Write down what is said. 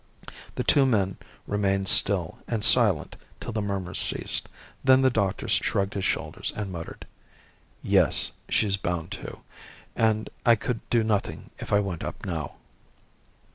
The two men remained still and silent till the murmurs ceased, then the doctor shrugged his shoulders and muttered "Yes, she's bound to. And I could do nothing if I went up now."